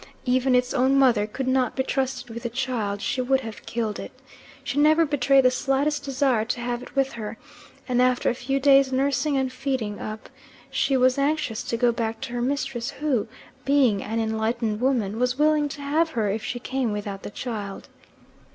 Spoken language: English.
Even its own mother could not be trusted with the child; she would have killed it. She never betrayed the slightest desire to have it with her, and after a few days' nursing and feeding up she was anxious to go back to her mistress, who, being an enlightened woman, was willing to have her if she came without the child.